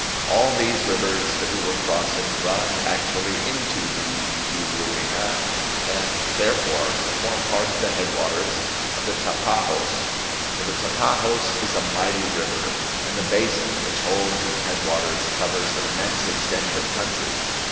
All these rivers that we were crossing run actually into the Juruena, and therefore form part of the headwaters of the Tapajos; for the Tapajos is a mighty river, and the basin which holds its headwaters covers an immense extent of country.